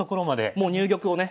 もう入玉をね